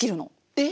えっ！